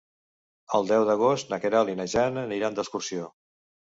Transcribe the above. El deu d'agost na Queralt i na Jana aniran d'excursió.